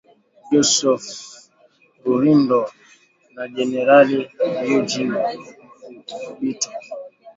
Joseph Rurindo na Jenerali Eugene Nkubito